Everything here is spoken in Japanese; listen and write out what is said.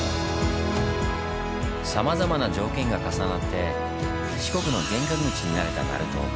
さまざまな条件が重なって四国の玄関口になれた鳴門。